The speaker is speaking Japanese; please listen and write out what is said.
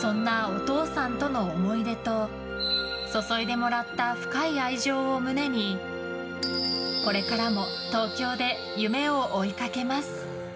そんなお父さんとの思い出と注いでもらった深い愛情を胸にこれからも東京で夢を追いかけます。